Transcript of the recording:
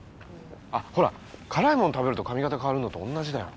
あっほら辛いもん食べると髪型変わるのと同じだよ。